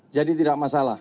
jadi tidak masalah